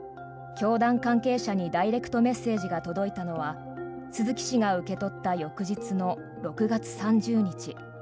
教団関係者にダイレクトメッセージが届いたのは鈴木氏が受け取った翌日の６月３０日。